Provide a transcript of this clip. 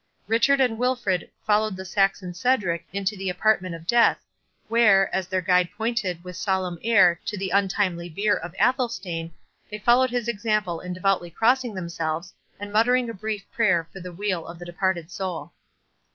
Richard and Wilfred followed the Saxon Cedric into the apartment of death, where, as their guide pointed with solemn air to the untimely bier of Athelstane, they followed his example in devoutly crossing themselves, and muttering a brief prayer for the weal of the departed soul.